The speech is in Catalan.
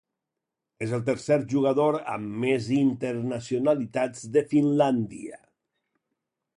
És el tercer jugador amb més internacionalitats de Finlàndia.